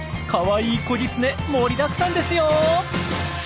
かわいい子ぎつね盛りだくさんですよ！